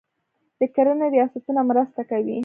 د کرنې ریاستونه مرسته کوي.